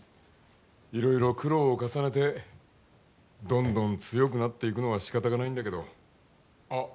色々苦労を重ねてどんどん強くなっていくのは仕方がないんだけどあっ